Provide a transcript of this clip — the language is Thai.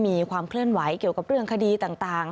มีความเคลื่อนไหวเกี่ยวกับเรื่องคดีต่าง